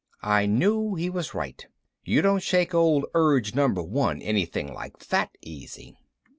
I knew he was right. You don't shake Old Urge Number One anything like that easy.